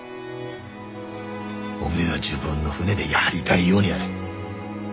おめえは自分の船でやりだいようにやれ。